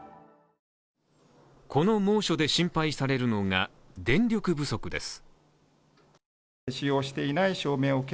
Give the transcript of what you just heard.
この猛暑で心配されるのが電力不足です。